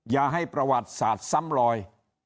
อย่าให้ประวัติศาสตร์ซ้ำลอย